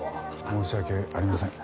申し訳ありません。